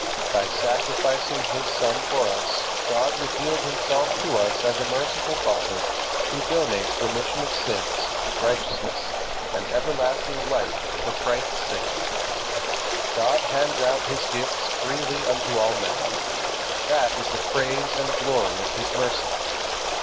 By sacrificing His Son for us God revealed Himself to us as a merciful Father who donates remission of sins, righteousness, and life everlasting for Christ's sake. God hands out His gifts freely unto all men. That is the praise and glory of His mercy.